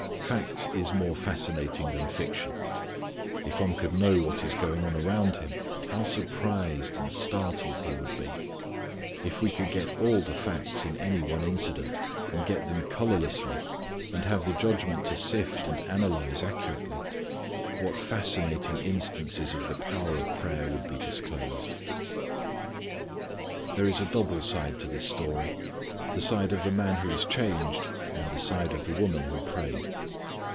Fact is more fascinating than fiction. If one could know what is going on around him, how surprised and startled he would be. If we could get all the facts in any one incident, and get them colourlessly, and have the judgment to sift and analyze accurately, what fascinating instances of the power of prayer would be disclosed. There is a double side to this story. The side of the man who was changed, and the side of the woman who prayed.